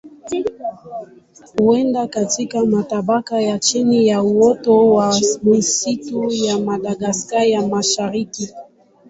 Huenda katika matabaka ya chini ya uoto wa misitu ya Madagaska ya Mashariki.